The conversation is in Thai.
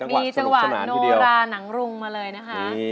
มีจังหวะโนราหนังรุงมาเลยนะคะ